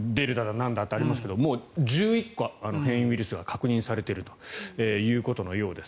なんだってありますけどもう１１個、変異ウイルスが確認されているということのようです。